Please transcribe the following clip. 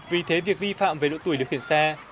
vì thế việc vi phạm về độ tuổi điều khiển xe